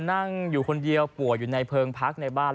นั่งอยู่คนเดียวป่วยอยู่ในเพลิงพักในบ้าน